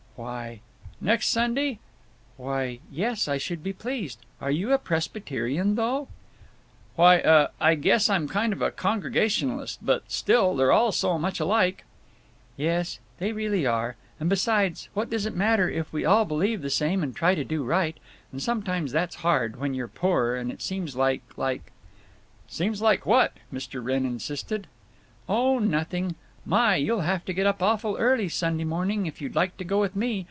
"Why—" "Next Sunday?" "Why, yes, I should be pleased. Are you a Presbyterian, though?" "Why—uh—I guess I'm kind of a Congregationalist; but still, they're all so much alike." "Yes, they really are. And besides, what does it matter if we all believe the same and try to do right; and sometimes that's hard, when you're poor, and it seems like—like—" "Seems like what?" Mr. Wrenn insisted. "Oh—nothing…. My, you'll have to get up awful early Sunday morning if you'd like to go with me.